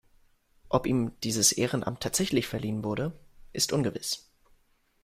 Ob ihm dieses Ehrenamt tatsächlich verliehen wurde, ist ungewiss.